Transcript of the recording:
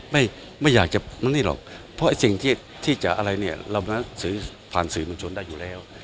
ไม่อยากจะมันนี่หรอกเพราะที่จะอะไรเนี่ยเราผ่านสื่อบนชนได้อยู่แล้ว